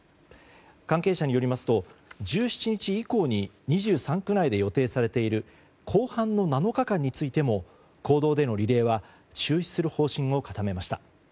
関係者によりますと１７日以降に２３区内で予定されている後半の７日間についても公道でのリレーは中止する方針を固めました。